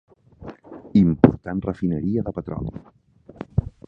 Important refineria de petroli.